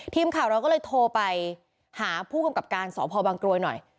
ทีมข่าวเราก็เลยโทรไปหาผู้กำกับการสพบังกรวยหน่อย